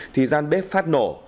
thì gian bếp phát nổ